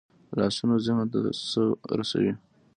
لاسونه ذهن ته څه رسوي